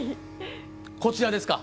こちらですか？